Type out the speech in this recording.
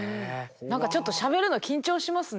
何かちょっとしゃべるの緊張しますね。